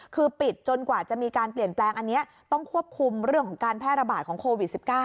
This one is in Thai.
คือปิดจนกว่าจะมีการเปลี่ยนแปลงอันนี้ต้องควบคุมเรื่องของการแพร่ระบาดของโควิด๑๙